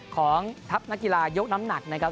ของทัพนักกีฬายกน้ำหนักนะครับ